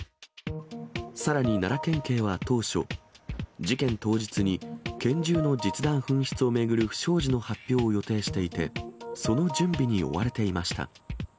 さらに奈良県警は当初、事件当日に拳銃の実弾紛失を巡る不祥事の発表を予定していて、その準備に追われていました。